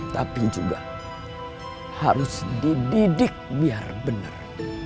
tapi juga harus dididik biar benar